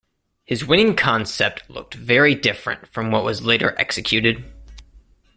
His winning concept looked very different from what was later executed.